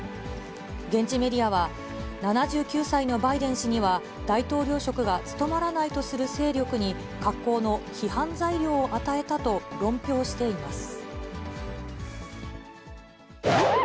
現地メディアは、７９歳のバイデン氏には、大統領職が務まらないとする勢力に、格好の批判材料を与えたと論評しています。